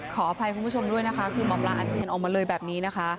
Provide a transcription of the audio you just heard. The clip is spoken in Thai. ขออภัยคุณผู้ชมด้วยนะคะคือหมอปลาอาเจียนออกมาเลยแบบนี้นะคะ